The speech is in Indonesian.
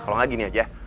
kalau nggak gini aja